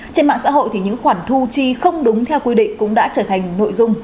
trên mạng xã hội thì những khoản thu chi không đúng theo quy định cũng đã trở thành nội dung